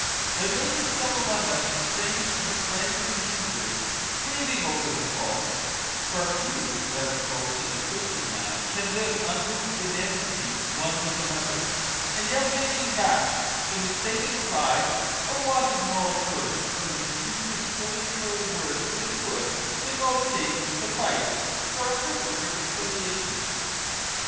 There may be some among us estranged from friends and kindred, grieving over the fault, (for few, let us hope, in a Christian land, can live unmoved in enmity one with another,) and yet hanging back, in mistaken pride or want of moral courage, from the few conciliatory words which would, in most cases, suffice for a perfect reconciliation.